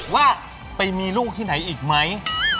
ว่าไปมีลูกที่ไหนอีกไหม